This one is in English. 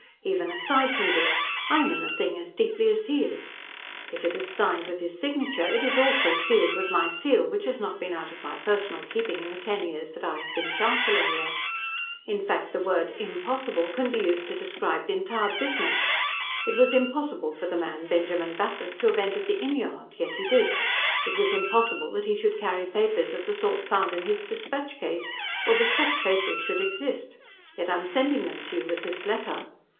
Even aside from this, I am in the thing as deeply as he; if it is signed with his signature, it is also sealed with my seal, which has not been out of my personal keeping in the ten years that I have been Chancellor here. In fact, the word "impossible" can be used to describe the entire business. It was impossible for the man Benjamin Bathurst to have entered the inn yard yet he did. It was impossible that he should carry papers of the sort found in his dispatch case, or that such papers should exist yet I am sending them to you with this letter.